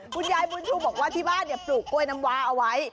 คุณยายบุญชูบอกว่าที่บ้านปลูกกล้วยน้ำวาเอาไว้